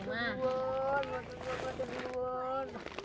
masuk masuk masuk